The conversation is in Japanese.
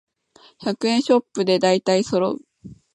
百円ショップでだいたいそろう